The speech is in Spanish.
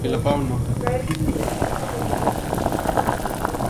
Su superficie está cubierta de azufre.